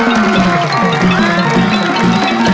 กลับมารับทราบ